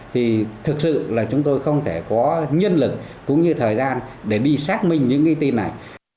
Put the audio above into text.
thì thực sự là chúng tôi không thể có nhân lực cũng như thời gian để đi xác minh những cái tin này